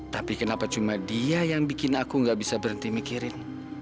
tapi kenapa cuma dia yang bikin aku gak bisa berhenti mikirin